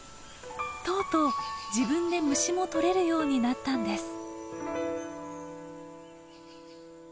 とうとう自分で虫も捕れるようになったんです。